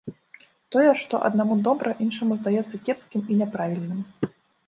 Тое, што аднаму добра, іншаму здаецца кепскім і няправільным.